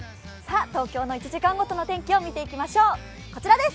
東京の１時間ごとの天気を見ていきましょう。